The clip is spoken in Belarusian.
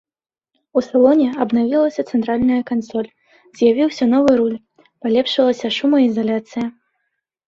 У салоне абнавілася цэнтральная кансоль, з'явіўся новы руль, палепшылася шумаізаляцыя.